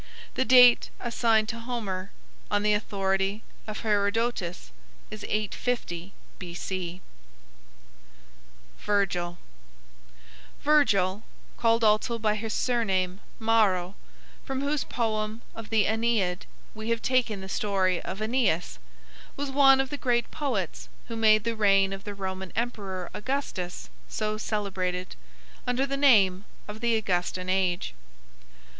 The date assigned to Homer, on the authority of Herodotus, is 850 B.C. VIRGIL Virgil, called also by his surname, Maro, from whose poem of the "Aeneid" we have taken the story of Aeneas, was one of the great poets who made the reign of the Roman emperor Augustus so celebrated, under the name of the Augustan age.